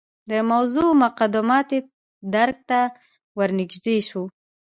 د موضوع مقدماتي درک ته ورنژدې شو.